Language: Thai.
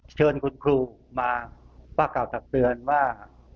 เชิญคุณครูมาประกาศจักรเตือนว่า